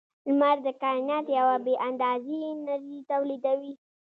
• لمر د کائنات یوه بې اندازې انرژي تولیدوي.